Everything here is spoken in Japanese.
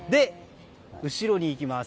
後ろに行きます。